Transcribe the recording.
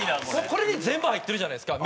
これに全部入ってるじゃないですか。